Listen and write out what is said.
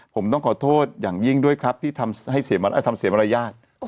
ผมต้องขอโทษอย่างยิ่งด้วยครับที่ทำให้เสียมารยาท